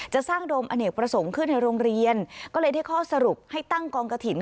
จะสร้างโดมอเนกประสงค์ขึ้นในโรงเรียนก็เลยได้ข้อสรุปให้ตั้งกองกระถิ่น